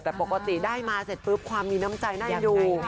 แต่ปกติได้มาเสร็จปุ๊บความมีน้ำใจได้ดู